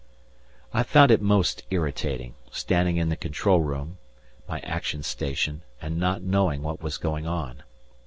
I found it most irritating, standing in the control room (my action station) and not knowing what was going on.